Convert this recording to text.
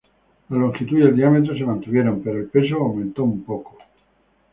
La longitud y el diámetro se mantuvieron, pero el peso aumentó un poco.